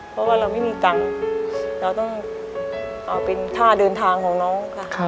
เพราะว่าเราไม่มีตังค์เราต้องเอาเป็นค่าเดินทางของน้องค่ะ